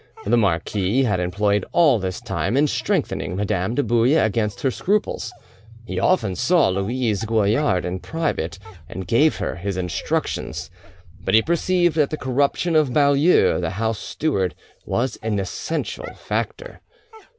The marquis had employed all this time in strengthening Madame de Bouille against her scruples. He often saw Louise Goillard in private, and gave her his instructions; but he perceived that the corruption of Baulieu, the house steward, was an essential factor.